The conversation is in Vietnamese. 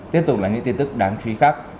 tiếp tục là những tin tức đáng chú ý khác